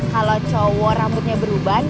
kalau cowok rambutnya beruban